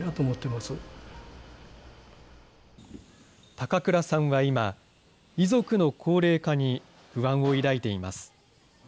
高倉さんは今、遺族の高齢化に不安を抱いています。